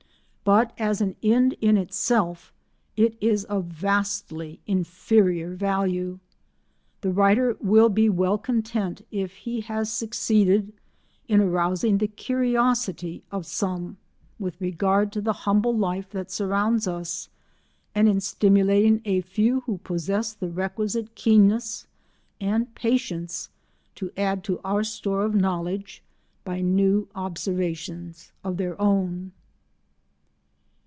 But as an end in itself it is of vastly inferior value. The writer will be well content if he has succeeded in arousing the curiosity of some with regard to the humble life that surrounds us, and in stimulating a few who possess the requisite keenness and patience to add to our store of knowledge by new observations of their own.